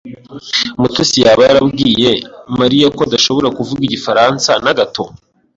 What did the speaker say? Mutesi yaba yarabwiye Mariya ko adashobora kuvuga igifaransa na gato?